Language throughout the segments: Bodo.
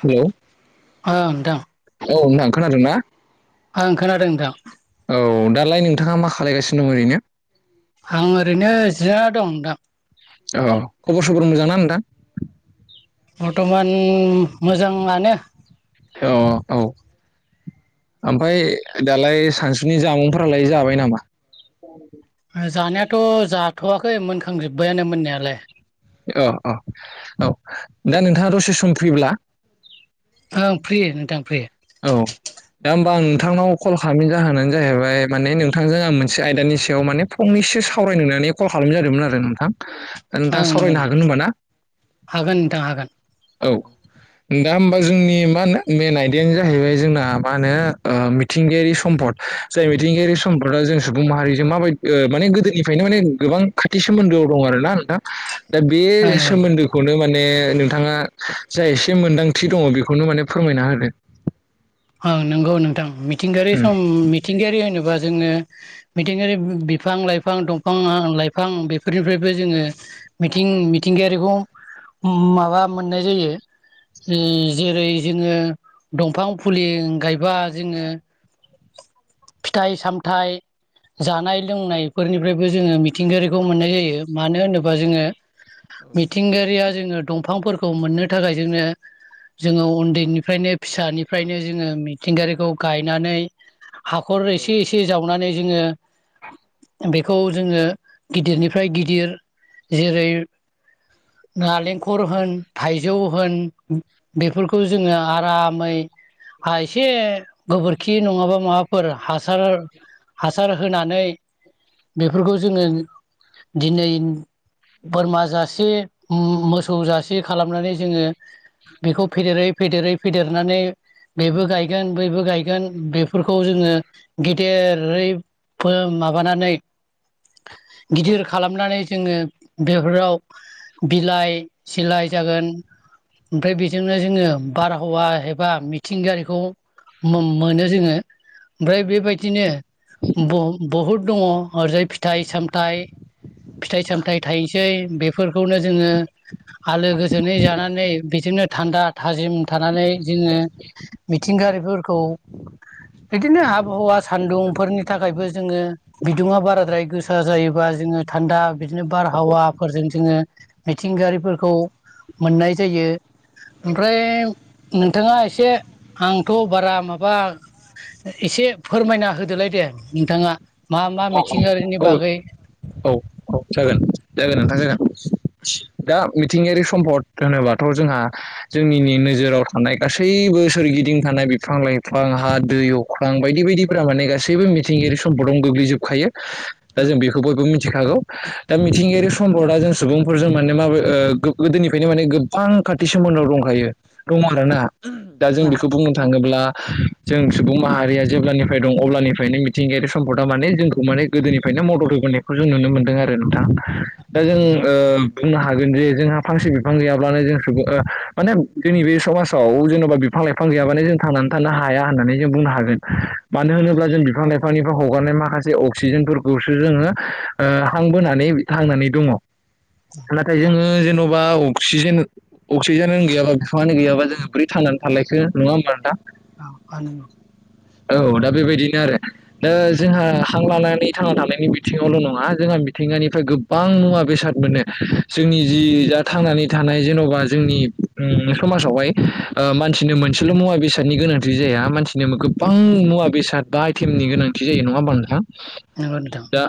हेलौ ओं नोंथां औ नोंथां खोनादों ना? आं खोनादों नोंथां। औ दालाय नोंथाङा मा खालामायगानो दं ओरैनो? आं ओरैनो जिरायना दं नोंथां। औ खबर सबर मोजां ना नोंथां? बर्थमान मोजाङानो। औ औ। ओमफ्राय दालाय सानसुनि जामुंफोरालाय जाबाय नामा? जानायाथ' जाथ'वाखै मोनखांजोब्बायानो मोननायालाय। अ अ औ दा नोंथाङा दसे सम फ्रिब्ला आं फ्रि नोंथां फ्रि। औ। दा होमबा आं नोंथांनाव कल खालामिनि जाहोनानो जाहैबाय माने नोंथांजों आं मोनसे आयदानि सायाव माने फं नैसो सावरायनो नानै कल खालामनाय जादोंमोन आरो नोंथां। ओं नोंथाङा नंगौ सावरायनो नोंथां हागोन होनबा ना। हागोन नोंथां हागोन औ। दा होमबा जोंनि मा होनो बेनाय नो जाहैबाय जोंना मा होनो मिथिंगायारि सम्पद जाय मिथिंगायारि सम्पदा जों सुबुं हारिजों माबायदि माने गोदोनिफ्रायनो माने गोबां खाथि सोमोन्दोआव दं आरोना नोंथा। दा बे ओं नंगौ नोंथां सोमोन्दोखौनो माने माने नोंथाङा जा एसे मोन्दांथि दङ बेखौनो माने फोरमायना होदो। नोंगौ नोंथां, मिथिंगायारि सम उम मिथिंगायारि होनोबा जोङो मिथिंगायारि बिफां लाइफां दंफां लाइफां बेफोरनिफ्रायबो जोङो मिथिं मिथिंगायारिखौ माबा मोननाय जायो। जेरै जोङो दंफां फुलि गायबा जोङो फिथाइ सामथाइ जानाय लोंनायफोरनिफ्रायबो जोङो मिथिंगायारिखौ मोननाय जायो। मानो होनोबा जोङो मिथिंगायारिया जोङो दंफांफोरखौ मोननो थाखाय जोंनो जोङो उन्दैनिफ्रायनो फिसानि फ्रायनो जोङो मिथिंगारिखौ गायनानै हाखर एसे एसे जावनानै जोङो बेखौ जोङो गिदिरनिफ्राय गिदिर, जेरै नालेंखर होन, थाइजौ होन बेफोरखौ जोङो आरामै एसे गोबोरखि नङाबा माबाफोर हासार हासार होनानै बेफोरखौ जोङो दिनै बोरमा जासे मोसौ जासे खालामनानै जोङो बेखौ फेदेरै फेदेरै फेदेरनानै बेबो गायगोन बैबो गायगोन बेफोरखौ जोङो गेदेरै माबानानै गिदिर खालामनानै जोङो बेफोराव बिलाइ सिलाय जागोन ओमफ्राय बेजोंनो जोङो बारहावा एबा मिथिंगायारिखौ मोनो जोङो ओमफ्राय बेबायदिनो बह बहुद दङ' ओरैजाय फिथाइ सामथाइ फिथाइ सामथाइ थाइनसै बेफोरखौनो जोङो आलो गोजोनै जानानै बिदिनो थान्दा थाजिम थानानै जोङो मिथिंगारिफोरखौ बिदिनो आबहावा सान्दुंफोरनि थाखायबो जोङो बिदुंआ बाराद्राय गोसा जायोबा जोङो थान्दा बिदिनो बारहावाफोरजों जोङो मिथिंगायारिफोरखौ मोननाय जायो ओमफ्राय नोंथाङा एसे आंथ' बारा माबा एसे फोरमायना होदोलाय दे नोंथाङा। मा मा मिथिंगायारिनि औ बागै औ औ जागोन जागोन नोंथां जागोन। दा मिथिंगायारि सम्पद होनोबाथ' जोंहा जोंनिनो नोजोराव थानाय गासै बो सोरगिदिं थानाय बिफां लाइफां हा, दै, अख्रां बायदि बायदिफोरा माने गासैबो मिथिंगायारि सम्पदाव गोग्लैजोबखायो। दा जों बेखौ बयबो मिथिखागौ। दा मिथिंगायारि सम्पदा जों सुबुंफोरजों माने माब ओ गो-गोदोनिफ्रायनो माने गोबां खाथिसिमाव [unintelligible] दंखायो दं आरो ना दा जों औ बेखौ बुंनो थाङोब्ला जों सुबुं माहारिया जेब्लानिफ्राय दं अब्लानिफ्रायनो मिथिंगायारि सम्पदा माने जोंखौ माने गोदोनिफ्राय मदद होबोनायखौ जों नुनो मोनो। आरो नोंथां। दा जों ओ बुंनो हागोन जे जोंहा फांसे बिफां गैयाब्लानो जों सुबुं ओ माने जोंनि बे समाजाव जेन'बा बिफां लाइफां गैयाबानो जों थांनानै थानो हाया होननानै जों बुंनो हागोन। मानो होनोब्ला जों बिफां लाइफांनिफ्राय हगारनाय माखासे अक्सिजेनफोरखौसो जोङो ओ हां बोनानै थांनानै दङ'। नाथाय जोङो जेन'बा अक्सिजेन अक्सिजेनानो गैयाबा बिफाङानो गैयाबा जोङो बोरै थांनानै थालायखो नङा होमबा दा। औ [unintelligible] औ दा बेबायदिनो आरो दा जोंहा हां लानानै थांना थानायनि बिथिङावल' नङा जोंहा मिथिंगानिफ्राय गोबां मुवा बेसाद मोनो जोंनि जि दा थांनानै थानाय जेन'बा जोंनि ओ समाजावहाय ओ मानसिनो मोनसेल' मुवा बेसादनि गोनांथि जाया मानसिनो गो बां मुवा बेसाद बा आइटेमनि गोनांथि जायो नङा होमबा नोंथां। नंगौ नोंथां। दा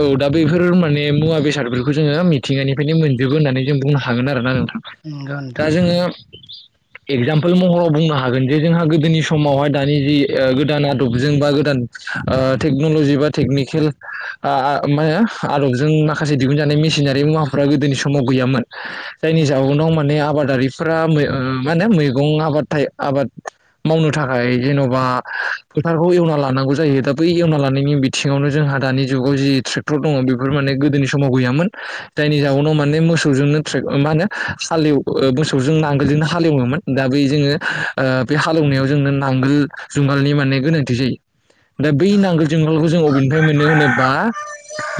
औ दा बेफोर माने मुवा बेसादफोरखौ जोङो मिथिंगानिफ्रायनो मोनजोबो होननानै जों बुंनो हागोन आरो ना नों नंगौ नोंथां दा जोङो एगजामपोल महराव बुंनो हागोन जे जोंहा गोदोनि समावहाय दानि जि ओ गोदान आदबजों बा गोदान ओ टेक्न'ल'जि बा टेकनिकेल आ मा होनो आदबजों माखासे दिहुनजानाय मेसिनारि मुवाफ्रा गोदोनि समाव गैयामोन। जायनि जाउनाव माने आबाद दारिफोरा मो ओ मा ओनो मैगं आबाद थायो आबाद मावनो थाखाय जेन'बा फोथारखौ एवना लानांगौ जायो। दा बै एवना लानायनि बिथिङावनो जोंहा दानि जुगाव जि ट्रेक्टर दङ' बेफोर माने गोदोनि समाव गैयामोन। जायनि जाउनाव माने मोस सौजोंनो ट्रे मा होनो हालेव ओ मोसौजोंनो नांगोलजोंनो हाले एवोमोन दा बेै जोङो ओ बे हालेवनायाव जोंनो नांगोल जुंगालनि माने गोनांथि जायो। दा बै नांगोल जुंगालखौ जों अबेनिफ्राय मोनो होनोबा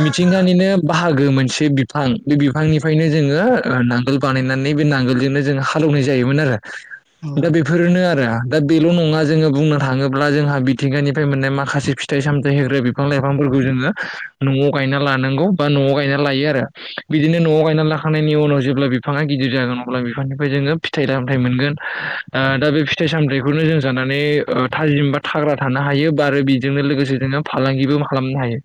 मिथिंगानिनो बा हागो मोनसे बिफां बे बिफांनिफ्रायनो जोङो ओ नांगोल बानायनानै बे नांगोलजोंनो जों हालौवनाय जायोमोन आरो नंगौ दा बेफोरनो आरो दा बेल' नङा जोङो बुंनो थाङोब्ला जोंहा मिथिंगानिफ्राय मोननाय माखासे फिथाइ सामथाइ होग्रा बिफां लाइफांफोरखौ जोङो न'आव गाय ना लानांगौ बा न'आव गायना लायो आरो बिदिनो न'आव गायनानै लाखांनायनि उनाव जेब्ला बिफाङा गिदिर जागोन। अब्ला बिफांनिफ्राय जोङो फिथाइ सामथाइ मोनगोन ओ दा बे फिथाइ सामथाइखौनो जों जानानै ओ थाजिम बा थाग्रा थानो हायो बा आरो बेजोंनो लोगोसे जोङो फालांगिबो खालामनो हायो।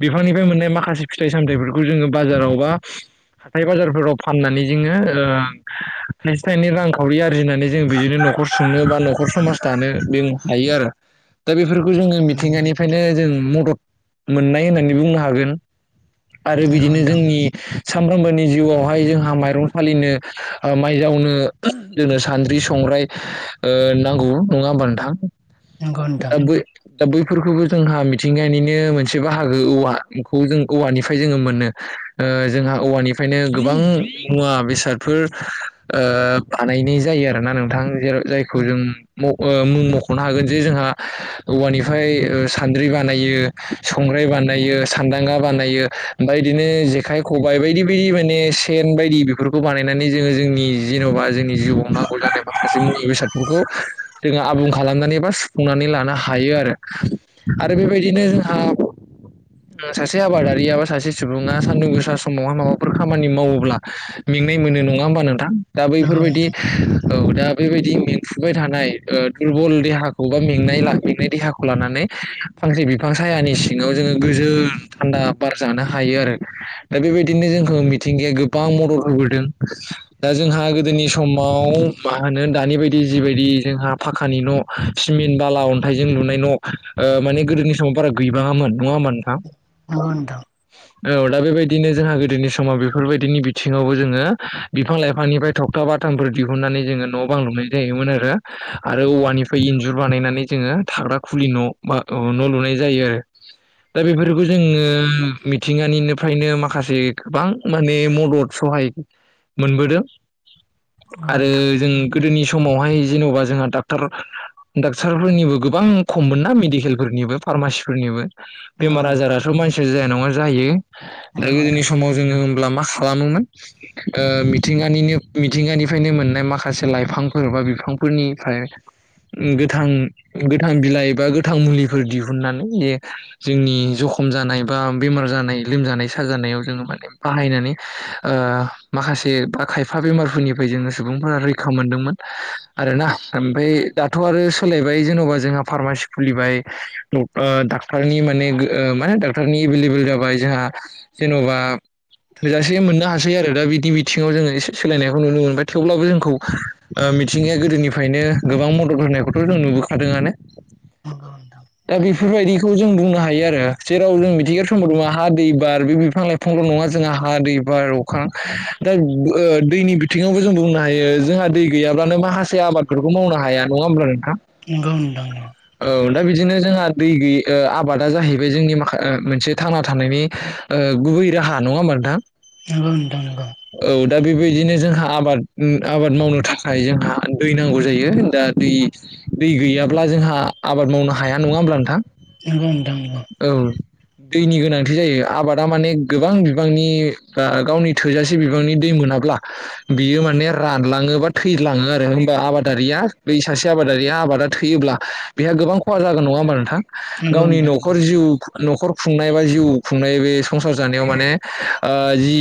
बिफांनिफाय मोननाय माखासे फिथाइ सामथाइफोरखौ जोङो बाजारावबा हाथाय बाजारफोराव फाननानै जोङो ओ थाइसे थाइनै रांखावरि आ जिनानै जोंङो बिजोंनो न'खर सुंनो बा न'खर समाज दानो [unintelligible] हायो आरो दा बे फोरखौ जोङो मिथिंगानिफ्रायनो जों मदद मोननाय होननानै बुंनो हागोन। आरो बिदिनो नोंथां जोंनि सानफ्रोमबोनि जिउआवहाय जोंहा माइरं सालिनो ओ माइ जावनो जोंनो सान्द्रि सं ग्राय ओ नांगौ नङा होनबा नोंथां? नंगौ नोंथां दा बै दा बैफोरखौबो जोंहा मिथिंगानिनो मोनसे बाहागो औवाखौ जों औवानिफ्राय जोंङो मोनो। ओ जोंहा औवानिफ्रायनो गोबां मुवा बेसादफोर ओ बानायनाय जायो आरोना नोंथां। जेराव जायखौ जों मुक ओ मुं मख'नो हागोन जे जोंहा औवानिफ्राय ओ सान्द्रि बानायो, संग्राय बानायो, सान्दांगा बानायो, ओमफ्राय बिदिनो जेखाय खबाइ बायदि बायदि माने सेन बायदि बेफोरखौ बानायनानै जोंङो जोंनि जेन'बा जोंनि जिउआव नांगौ जानाय माखासे मुलि बेसादफोरखौ जोङो आबुं खालामनानै बा सुुंफुं [unintelligible] नै लानो हायो आरो, आरो बेबायदिनो जोंहा सासे आबादा रिया बा सासे सुबुङा सान्दुं गोसा समावहाय माबाफोर खामानि मावोब्ला मेंनाय मोनो नङा होमबा नोंथां। दा नंगौ नंगौ बैफोरबायदि औ दा बेबायदि मेंफुबाय थानाय ओ दुरबल देहाखौ बा मेंनाय [unintelligible] देहाखौ लानानै फांसे बिफां सायहानि सिङाव जोङो गोजोन थान्दा बार जानो हायो आरो। दा बेबायदिनो जोंखौ मिथिंगाया गोबां मदद होबोदों दा जों जोंहा गोदोनि समाव मा होनो दानि बायदि जिबायदि जोंहा फाखानि न' सिमेन्ट बाला अन्थाइजों लुनाय न' ओ माने गोदोनि समाव बारा गैबांङामोन। औ नोंथां। औ दा बेबायदिनो जोंहा गोदोनि समाव बेफोरबायदिनि बिथिङावबो जोङो बिफां-लाइफांनिफ्राय थगथा बाथामफोर दिहुननानै जोङो न' बां लुनाय जायोमोन आरो। आरो औवानिफ्राय इन्जुर बानायनानै जोङो थाग्रा खुलि न' बा औ न' लुनाय जायो आरो दा बेफोरखौ जोङो मिथिंगानिनोफ्रायनो माखासे गोबां माने मदद सहाय मोनबोदों आरो जों गोदोनि समावहाय जेन'बा जोंहा डाक्टार डाक्टारफोरनिबो गोबां खममोन ना मेडिकेलफोरनिबो फारमासिफोरनिबो। नंगौ बेमार आजाराथ' मानसिया जाया नङा जायो दा गोदोनि समाव जोङो मा खालामोमोन ओ मिथिंगानिनो मिथिंगानिफ्रायनो मोननाय माखासे लाइफांफोर बा बिफांफोरनिफ्राय गोथां गोथां बिलाइ एबा गोथां मुलिफोर दिहुननानै बे जोंनि ज खम जानाय बा बेमार जानाय लोमजानाय साजानायाव जोङो माने बाहायनानै ओ माखासे बा खायफा बेमारफोरनिफ्राय जोङो सुबुंफोरा रैखा मोनदोंमोन आरोना। ओमफ्राय दाथ' आरो सोलायबाय जेन'बा जोंहा फारमासि खुलिबाय, ओ डाक्टारनि माने ओ मा डाक्टारनि एभेलएभेल जाबाय जोंहा जेन'बा थोजासे मोननो हासै आरो, दा बिदि बिथिङाव जोङो एसे सोलायनायखौ नुनो मोनबाय थेवब्लाबो जोंखौ मिथिंगाया गोदोनिफ्रायनो गोबां मदद होनायखौथ' जों नुबोखादोंआनो। दा बेफोरबायदिखौ जों बुंनो हायो आरो जेराव जों मिथिंगायारि सम्पद हा, दै, बार, बे बिफां-लाइफां [unintelligible] जोंहा हा, दै, बार, अखा दा ओ दैनि बिथिङावबो जों बुंनो हायो जोंहा दै गैयाबानो माखासे आबादफोरखौ मावनो हाया नङा होमब्ला नों नोंगौ नोंथां। बिदिनो जोंहा दैै गै ओ आबादा जाहैबाय जोंनि माखा ओ मोनसे थांना थानायनि ओ गुबै रा हा नङा होनबा नोंथां? नोंगौ नोंथां नोंगौ। औ दा बेबायदिनो जोंहा आबाद आबाद मावनो थाखाय जोंहा दै नांगौ जायो दा दा दै-दै गैयाब्ला जोंहा आबाद मावनो हाया नङा होमब्ला नोंथां? नोंगौ औ दैनि गोनांथि जायो, आबादा माने गोबां बिबांनि ओ गावनि थोजासे बिबांनि दै मो नाब्ला बियो माने रानलाङो बा थैलाङो आरो होमबा आबादारिया बै सासे आबादारिया आबादा थैयोब्ला बेहा गोबां खहा जागोन नङा होमबा नोंथां। नोंगौ नोंथां खर जिउ न'खर खुंनाय बा जिउ खुंनाय बे संसार जानायाव माने ओ जि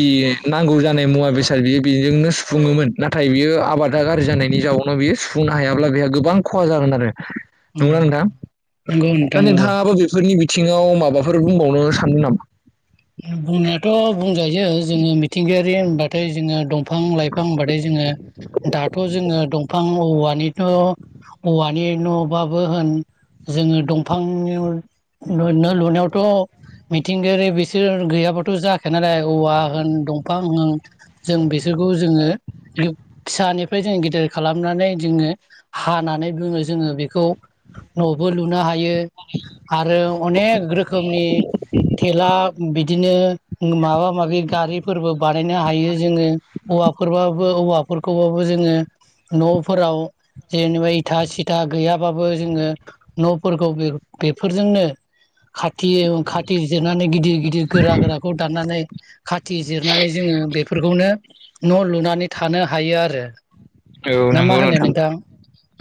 नांगौ जानाय मुवा बेसाद बियो बेजोंनो सुोमोन नाथाय बियो आबादा गाज्रि जानायनि जाउावनाव बियो सुफुंनो हायाब्ला बेहा गोबां खहा जागोन आरो नंगोना नोंथां नंगौ दा नोंथां नंगौ नोंथाङाबो नि बिथिङाव माबाफोर बुंबावनो सानदों नामा। बुंनायाथ' बुंजायो जोङो मिथिंगायारि होनबाथाय जोङो दं दंफां लाइफां होनबाथाय जोङो दाथ' जोङो दंफां औवानिथ' औवानि न'बाबो होन जोङो दंफां नि न'-न'लुनायावथ' मिथिंगायारि बिसोर गैयाबाथ' जाखाया नालाय औवा होन दंफां होन जों बिसोरखौ जोङो बे फिसानिफ्राय जोंङो गेदेर खालामनानै जोङो हानानै बुङो जोङो बेखौ न'बो लुनो हायो। यो आरो अनेक रोखोमनि थेला बिदिनो उम माबा-माबि गारिफोरबो बानायनो हायो जोङो औवाफोरबाबो औवा फोरखौबाबो जोङो न'फोराव जेनेबा इथा सिथा गैयाबाबो जोङो न'फोरखौ बेफोरजोंनो खाथि-खाथि जिरनानै गिदिर-गिदिर गोरा-गोराखौ दाननानै नै खाथि जिरनानै जोङो बेफोरखौनो न' लुनानै थानो हायो आरो। औ ना मा नंगौ होनो नोंथां।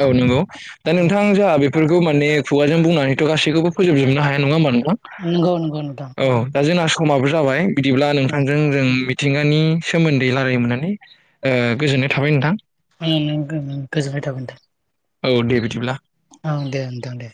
औ नंगौ दा नोंथां जोङा बे बेफोरखौ माने खुगाजों बुंनानैथ' गासैखौबो फोजोबजोबनो हाया नङा होमबा नों नंगौ नंगौ नोंथां औ दा जोंना समाबो जाबाय बिदिब्ला नोंथांजों जों मिथिंगानि सोमोन्दै रायल्लायनो मोननानै ओ गोजोननाय थाबाय नोंथां। गोजोनबाय औ दे बिदिब्ला थागोनोंथां ओं दे नोंथां दे।